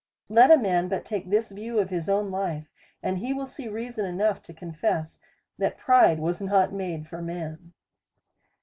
Let a man but take this view of his own life, and he will see reason enough to confess, that pride was not made for man.